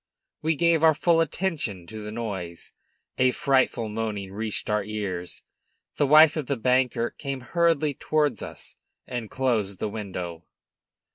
We gave our full attention to the noise; a frightful moaning reached our ears. The wife of the banker came hurriedly towards us and closed the window.